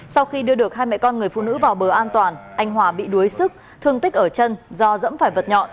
sau khi đưa được hai mẹ con người phụ nữ vào bờ an toàn anh hòa bị đuối sức thương tích ở chân do dẫm phải vật nhọn